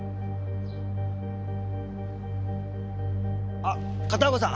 あっ片岡さん。